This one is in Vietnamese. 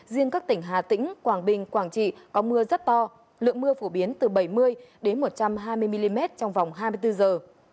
riêng các tỉnh hà tĩnh quảng bình quảng trị có mưa rất to lượng mưa phổ biến từ bảy mươi đến một trăm hai mươi mm trong vòng hai mươi bốn giờ